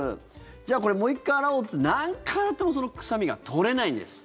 じゃあこれもう１回洗おうって何回洗ってもその臭みが取れないんです。